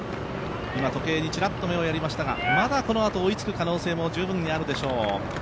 今、時計にちらっと目をやりましたが、まだこのあと追いつく可能性も十分あるでしょう。